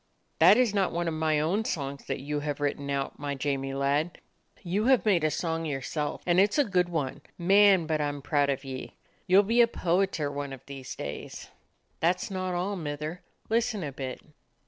"That is not one of !my own songs that you have written out, my Jamie lad. You have made a song yourself. And it 's a good one. Man, but I 'm proud of ye. You 'll be a poeter one of these days." "That is not all, Mither. Listen a bit."